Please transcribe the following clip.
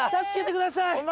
助けてください！